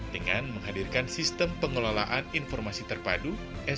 dengan menghadirkan sistem pengelolaan informasi terpadu